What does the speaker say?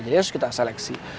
jadi harus kita seleksi